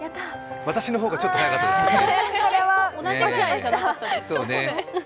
私の方がちょっと早かったですかね。